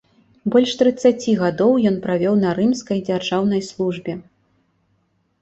Больш трыццаці гадоў ён правёў на рымскай дзяржаўнай службе.